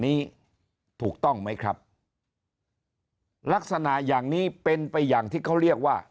นี้ถูกต้องไหมครับลักษณะอย่างนี้เป็นไปอย่างที่เขาเรียกว่า